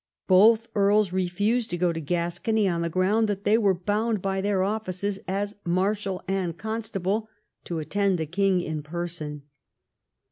Both earls refused to go to Gascony, on the ground that they were bound by their offices as Marshal and Constable to attend the king in person.